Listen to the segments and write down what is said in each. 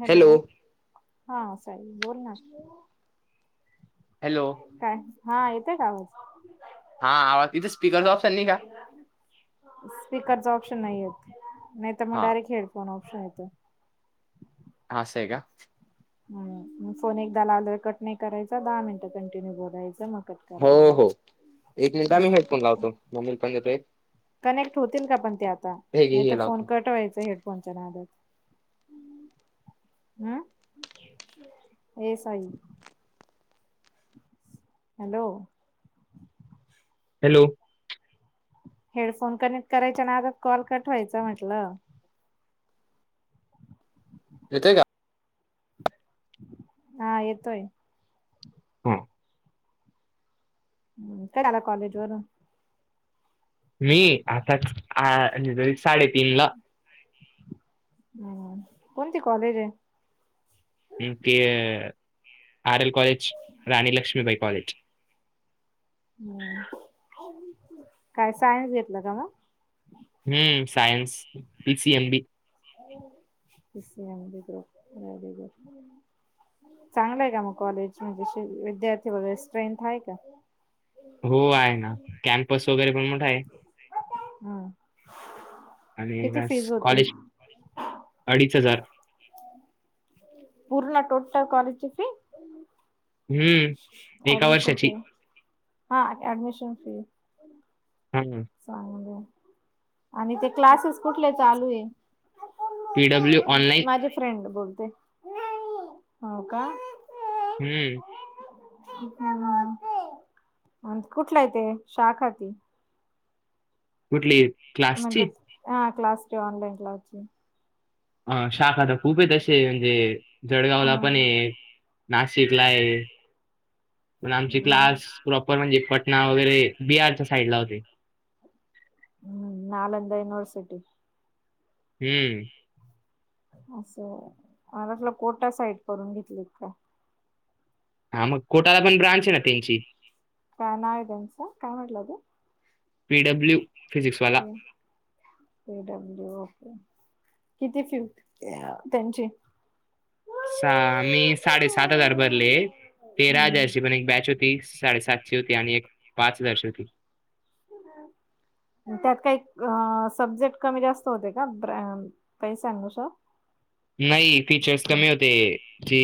Hello हा साई बोल ना हॅलो काय हा येतेय का आवाज हा आवाज तिथ स्पीकरच ऑपशन नाही का. स्पीकरच ऑप्शन नाही येत नाही तर मग हा डायरेक्ट हेडफोन ऑप्शन येत. अस हाय का. हम म फोन एकदा लावल्यावर कट नाही करायचा दहा मिनटं कंटिन्यू बोलायचं म कट हो करायचा हो एक मिनिट ह मी हेडफोन हम्म लावतो म मी हेडफोन घेतोय. कनेक्ट होतील का पण ते आता नाही हे तर फोन लावतो. कटवायचं हेडफोनच्या नादात हा ये साईल. हॅलो हॅलो हेडफोन कनेक्ट करायचा नादात कॉल कट वायचा म्हटलं येतय का? हा येतोय. ह्म्म हम्म कड आला कॉलेज वरुन मी आताच आ तरी साडेतीन ला हम् कोणती कॉलेज हाय. हम्म ते अ R L college Rani Laxmibai college. ह काय सायन्स घेतला का मग. हम्म सायन्स पी सी एम बी. [unintelligible] चांगलंय का मग कॉलेज म्हणजे शी विद्यार्थी वगैरे स्ट्रेंथ हाय का. हो आहे ना कॅम्पस वगैरे पण मोठा आहे. हम्म. आणि किती फीज होती? कॉलेज अडीच हजार. पूर्ण टोटल कॉलेजची फी. हम्म एका ऍडमिशन फी वर्षाची. हा ऍडमिशन फी. हम्म. चांगलय, आणि ते क्लासेस कुठले चालू आहे. पीडब्ल्यू ऑनलाईन माझे फ्रेंड बोलते हो का. हम्म. कुठल आहे ते शाखा ती. कुठली क्लासची. ह क्लास ची ऑनलाईन क्लास ची. अ शाखा तर खूप आहेत अशे, म्हणजे जडगावला पण आहे. नाशिकला आहे. पण आमचे क्लास प्रॉपर म्हणजे पटना वगैरे बिहारच्या साईड ला होते. हम्म नलंदा युनिवर्सिटी. हम्म. असं मला आपलं कोटा साईड करून घेतलीत काय. हा म कोटाला पण ब्रांच आहे ना त्यांची. का नाव आहे त्यांच काय म्हटलं तू. पिडब्ल्यू फिजिक्स वाला. पीब्ल्यू ओके. किती फी होती त्या त्यांची. सा मी साडेसात हजार भरले तेरा हजारची पण एक बॅच होती साडेसात होती आणि एक पाच हजारची होती. त्यात काही अ सब्जेक्ट कमी जास्त होते ब्रॅन काही सांगू श नाही फीचर्स कमी होते जी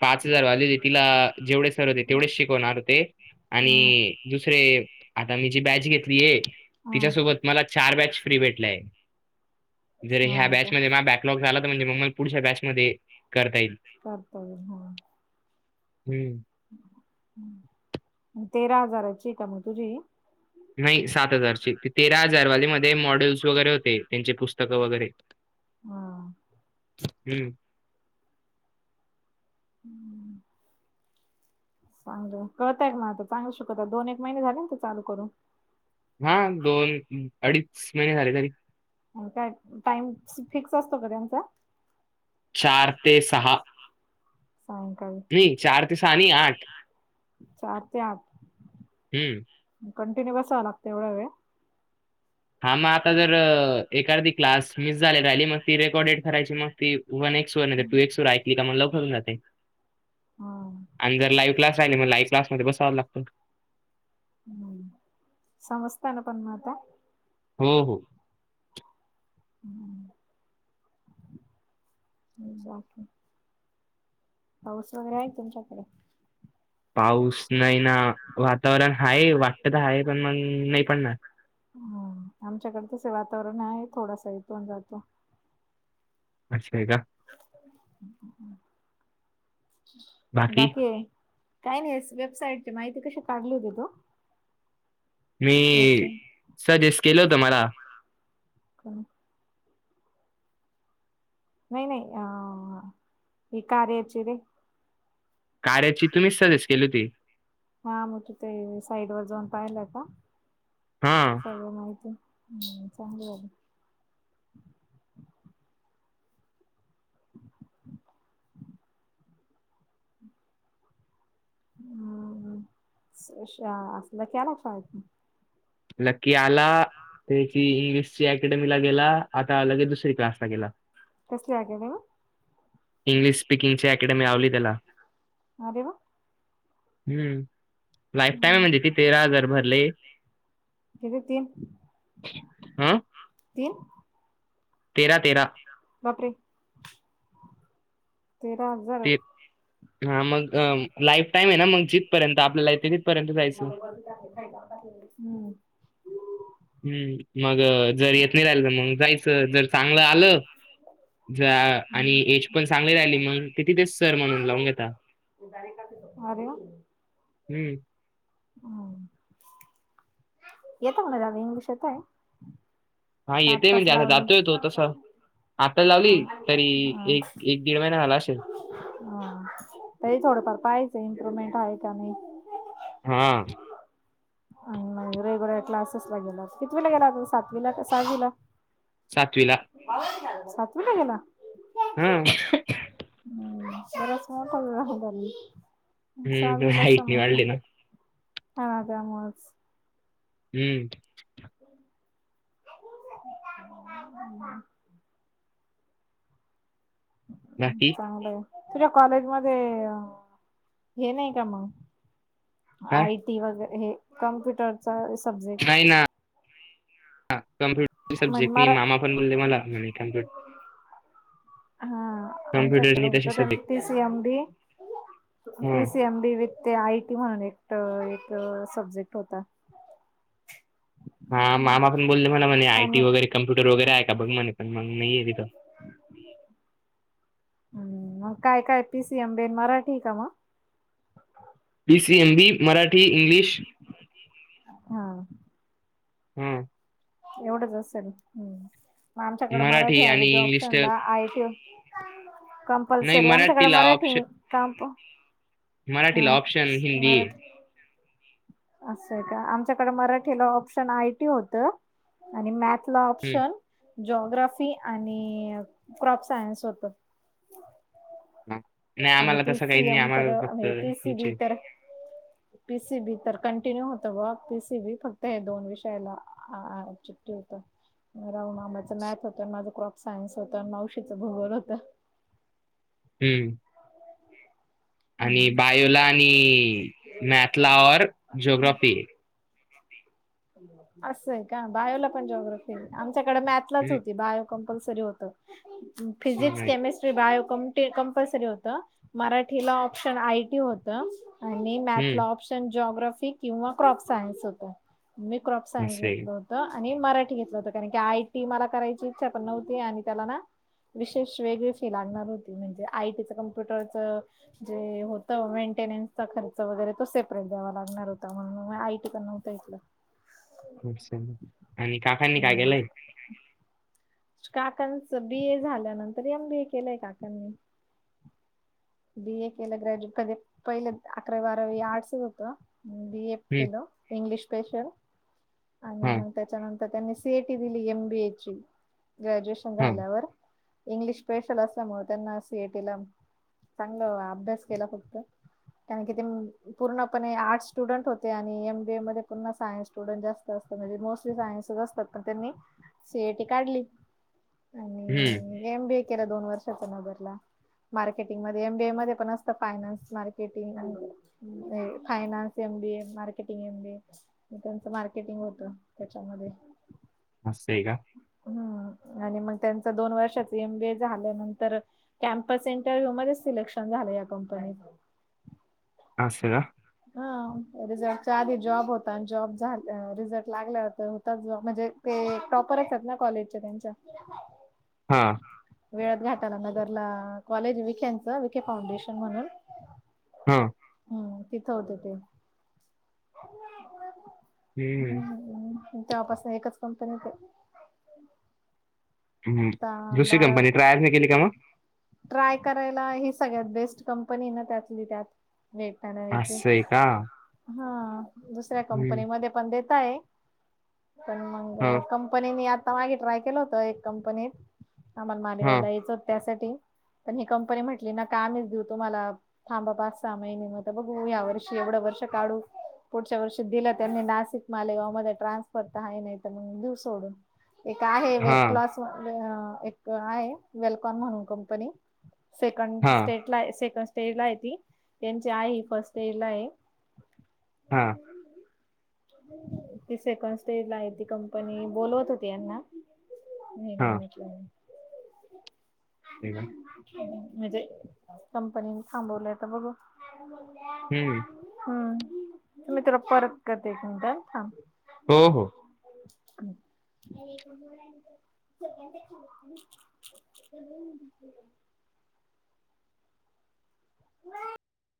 पाच हजार वाली होते तिला जेवढे सर होते तेवढेच शिकवणार होते आणि दुसरे आता मी जी बॅच घेतली आहे, हं. तिच्यासोबत मला चार बॅच फ्री भेटलाय. जर ह्या हा का? बॅचमध्ये माझा बॅकलॉग झाला तर म्हणजे मग मला पुढच्या बॅचमध्ये करता येईल, करता येईल, हा. हम्म. तेरा हजाराची आहे का मग तुझी. नाही सात हजारची, ती तेरा हजारवाली मध्ये मॉडेल्स वगैरे होते त्यांचे पुस्तकं वगैरे. हा हम्म. चांगलं कळतय का मग आता चांगलं शिकवतात दोन एक महिने झाले असतील चालू करून. हा दोन अडीच महिने झाले तरी. आणि काय टाइम फिक्स असतो का त्यांचा. चार ते सहा. सायंकाळी. नई चार ते सहा नई आठ. चार ते आठ हं. कंटिन्यू बसाव लागत एवढ्या वेळ. हा मग आता जर एखादी क्लास मिस झाले राहिली तर मग ती रेकॉर्डेड करायची मग फी वन एक सुवर्णा जर तू एक सूर ऐकली का मग लवकर होऊन जाते हा आणि जर लाइव्ह क्लास काही नाही मग लाइव क्लासमध्ये बसावच लागतं. हम्म, समजतय ना पण म आता? हम्म. हम्म बाकी पाऊस वगैरे आहे तुमच्याकडं? पाऊस नाही ना, वातावरण हाये वाटत तर हाये पण मग नाही पडणार. हम्म आमच्याकडे तसे वातावरण आहे. थोडासा येतो न जातो. अच् हाय का. बाकी काय नाही वेबसाइट ची माहिती कशी टागली होती तू? मी याची सजेस्ट केलं होतं मला. कन नाही नाही अ ही कार्या ची रे. कार्याची तुम्हीच सजेस्ट केली होती. हा म तू ते तिथे साईड वर जाऊन पाहिलं का? हां सगळी माहिती. हम् चांगली झाली. [inaudible] हम्म सशा असल केला फाळेत मग. लकी आला, त्याची इंग्लिशची अकॅडमीला गेला आता लगेच दुसरी क्लास ला गेला. कसली अकॅडमी? इंग्लिश स्पिकिंगची अकॅडमी लावली त्याला. अरे वा हम्म लाईफ टाईम म्हणजे तिथे तेरा हजार भरले. किती तीन आं तीन? तेरा तेरा. बापरे! तेरा हजार. ते हा मग अम्म लाईफ टाईम आहे ना मग जिथपर्यंत आपल्याला येतं तिथपर्यंत जायचं. [inaudible] [inaudible] हम्म मग जर येत नाही राहिल मग जायचं जर चांगलं आलं जा आणि एज पण चांगली राहिली मग ते तिथेच सर म्हणून लावून घेता. दारी [unintelligible] अरे वा. हम्म. ह येत म्हणायला इंग्लिश येतंय. हा येतेय म्हणजे जातोय तो हा तसा. आताचं हा लावली तरी एक एक दीड महिना झाला असेल. हा तरी थोडंफार पाहायचं इम्प्रोव्हमेन्ट आहे का नाही? हा ह. [unintelligible] क्लासेस ला गेला कितती ला गेला सातवीला सहावीला सातवीला आवाज [unintelligible] सातवी ला गेला? हा हम्म बराच मोठा [unintelligible] हम्म सहावीलाचं हाईट नाही समजता वाढली ना हा ना त्यामूळच. ह्म्म. [inaudible] बाकी चांगलंय तुला कॉलेज मध्ये अ हे नाही का मग? काय आय टी वगैरे हे कम्प्युटरचा सब्जे नाही ना कम्प्युट म्हण सब्जेक्ट नईये मरा मामा पण बोलले मला म्हणे कम्प्युट हा कम्प्युटर आमच्याकडे नाही होत तसे त्यां subject P C M B P हं. सी एम बी विथ ते आय टी म्हणून एक त एक सब्जेक्ट होता. हा मामा पण बोलले मला म्हणे आय टी आणि वगैरे कम्प्युटर वगैरे आहे का बघ म्हणे पण मग नाहीय तिथं हम्म मग काय काय पी सी एम बी आणि मराठी आहे का मग P C M B Marathi English हा हम्म एवढंच असेल मग आमच्याकडे मराठी आणि ऐवजी इंग्लिश ऑप्शन तर ला आय टी नाही कॉम्पल्सरी आमच्याकडे मराठीला ऑप्शन मराठी कामप मराठीला हा ऑप्शन हिंदी आहे. मराठी असं आहे का आमच्याकडे मराठीला ऑप्शन आय टी होतं आणि मॅथ ला हं, ऑप्शन जोग्राफी आणि क्रोप सायन्स होतं हां. नाही आणि आम्हाला तसं काही पीसी नाही एम तर आम्हाला फक्त नाही पीसी हेच बी आहे. तर पीसी बी तर कंटिन्यू होतं बुवा पीसी बी फक्त हे दोन विषयाला ह [unintelligible] राहुल मामाच मॅथ होतं माझं क्रॉप सायन्स होतं मावशीचं भूगोल होत. हम्म. आणि हम्म. बायोला आणि मॅथला और जॉग्रफी असंय का बायोला पण जोग्राफी आमच्याकडे मॅथलाच होती बायो कंपल्सरी होतं हं, फिजिक्स नाही. केमिस्ट्री बायो कंपल्सरी होत मराठीला ऑप्शन आयटी होत आणि मॅथला हं, ऑप्शन जोग्राफी किंवा क्रॉप सायन्स होत. मी क्रॉप सायन्स असं आहे. घेतल हो आणि मराठी घेतलं होत कारण की आय टी मला करायची इच्छा पण नव्हती आणि त्याला ना विशेष वेगळी फी लागणार होती म्हणजे आय टीचं कम्प्युटरचं जे होतं मेंटेनन्सचा खर्च वगैरे तो सेपरेट द्यावा लागणार होता म्हणून आय टी करणार [unintelligible] अच्छा आणि काकांनी काय हम्म. केलंय? काकांचं बी ए झाल्यानंतर एम बी ए केलंय काकांनी बी ए केलं ग्रॅज्युएट पहिले अकरा बारावी आर्टसच होत बी ए केलं. इंग्लिश स्पेशल आणि मग त्याच्यानंतर त्यांनी सीएटी दिली एमबीए ची ग्रॅज्युएशन झाल्यावर इंग्लिश स्पेशल असल्यामुळे त्यांना सीएटीला चांगलं अभ्यास केला फक्त कारण की ते पूर्णपणे आर्टस स्टुडंट होते आणि एम बीए मध्ये पूर्ण सायन्स स्टुडंट जास्त म्हणजे मोस्टली सायन्सच असतात तर त्यांनी सीएटी काढली हम्म. गेला दोन वर्षाचा न बरला [unintelligible] [unintelligible] एम बी ए मध्ये पणअसतं finance marketing [unintelligible] finance M B A. Marketing M B A. त्याचं मार्केटिंग होत त्याच्यामध्ये. असं हाय का? आणि मग त्यांच दोन वर्षाच एम बी ए झाल्यानंतर कॅमपस इंटरव्ह्यू मध्ये सिलेक्शन झालं या कंपनीच अस का? हा रिझल्टच्या आधी जॉब होता आणि जॉब झा रिझल्ट लागला तर होताच ज म्हणजे ते टॉपरच आहेत ना कॉलेजचे त्यांच्या हां. वेळात घाटाला नगरला कॉलेज विख्यांच विखे फाउंडेशन म्हणून हम्म. हम्म तिथं होत ते हम् हं, ह तेव्हापासन एकच कंपनीत आहे. हम्म हम्म दुसरी बारा कंपनी ट्रायच नाय केली का मग? ट्राय करायला ही सगळ्यात बेस्ट कंपनी ना त्यातली त्यात असं आहे [unintelligible] हा का? दुसऱ्या हं. कंपनीमध्ये पण देताय. पण मग हां, कं कंपनीनी आता मागे ट्राय केलं होत एक कंपनीत आमाला हां, मालेगावला यायचं होत त्यासाठी पण पण ही कंपनी म्हटली ना की देऊ तुम्हाला थांबा पाच सहा महिने. मग बघू या वर्षी एवढं वर्ष काढू. पुढच्या वर्षी दिला त्यांनी नाशिक मालेगाव मध्ये ट्रान्सफर तर हाय नाही तर मग दिव सोडून. एक आहे वेट हां, लॉस एक आहे वेलकॉन म्हणून कंपनी. सेकंड हां, स्टेट ला सेक [unintelligible] ला आहे ती. त्यांची आई फर्स्ट इयर ला आहे. हां ती सेकंड स्टेज ला आहे ती कंपनी बोलवत होती यांना. मी नाही हां. म्हटलं. मजे कंपनीने थांबवलंय तर बघू. हं. हम्म मी परत करते तूला एक मिनिट थांब हो, हो.